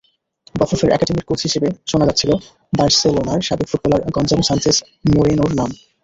বাফুফের একাডেমির কোচ হিসেবে শোনা যাচ্ছিল বার্সেলোনার সাবেক ফুটবলার গঞ্জালো সানচেজ মোরেনোর নাম।